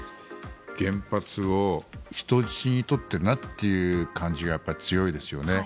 原発を人質に取っているなという感じが強いですよね。